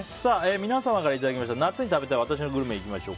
皆さんからいただきました夏に食べたい私のグルメいきましょう。